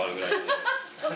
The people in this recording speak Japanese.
ハハハッ。